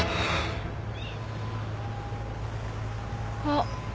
あっ。